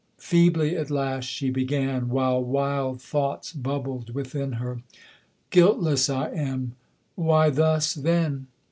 Feebly at last she began, while wild thoughts bubbled within her 'Guiltless I am: why thus, then?